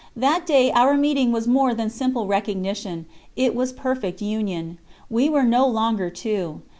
That day our meeting was more than simple recognition, it was perfect union. We were no longer two.